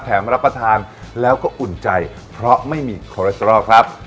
รับประทานแล้วก็อุ่นใจเพราะไม่มีคอเลสตรอลครับ